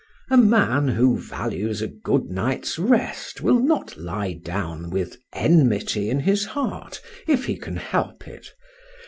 A man who values a good night's rest will not lie down with enmity in his heart, if he can help it.